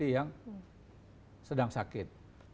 jadi yang sedang sakit